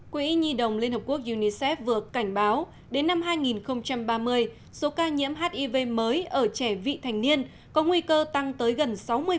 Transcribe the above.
quỹ nhi đồng liên hợp quốc unicef vừa cảnh báo đến năm hai nghìn ba mươi số ca nhiễm hiv mới ở trẻ vị thành niên có nguy cơ tăng tới gần sáu mươi